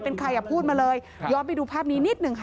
เป็นใครอ่ะพูดมาเลยย้อนไปดูภาพนี้นิดหนึ่งค่ะ